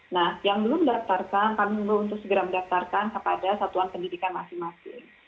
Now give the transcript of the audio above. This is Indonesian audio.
nah yang belum mendaftarkan kami belum segera mendaftarkan kepada satuan pendidikan masing masing